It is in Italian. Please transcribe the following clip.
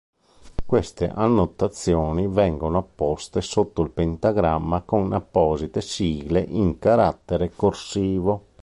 Queste annotazioni vengono apposte sotto il pentagramma con apposite sigle in carattere corsivo.